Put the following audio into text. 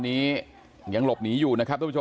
แต่เรื่องแชนมันไม่มีปัญหาหรอก